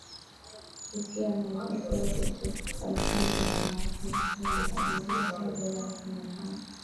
usia mali yake yote Tolson gharama yake ilikuwa inakadiriwa kuwa dola elfu mia tano